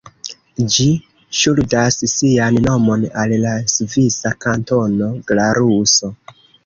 Ĝi ŝuldas sian nomon al la svisa kantono Glaruso.